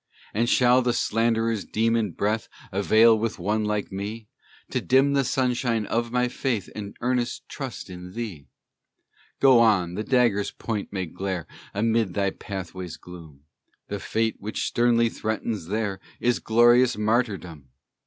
And shall the slanderer's demon breath Avail with one like me, To dim the sunshine of my faith And earnest trust in thee? Go on, the dagger's point may glare Amid thy pathway's gloom; The fate which sternly threatens there Is glorious martyrdom!